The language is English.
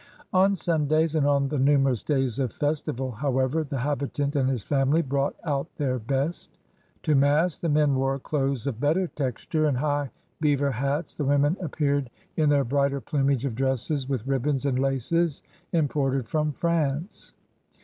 On Sundays and on the numerous days of festi val, however, the habitant and his family brought out their best. To Mass the men wore clothes of better texture and high beaver hats, the women appeared in their brighter plumage of dresses with ribbons and laces imported from France.